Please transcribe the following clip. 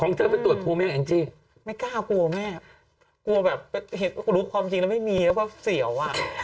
ของเธอไปตรวจภูมิยังไม่กล้ากลัวแม่กลัวแบบเห็นความจริงแล้วไม่มีแล้วก็เสียว